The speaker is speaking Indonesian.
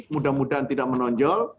mudah mudahan tidak menonjol